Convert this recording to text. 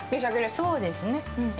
そうですね。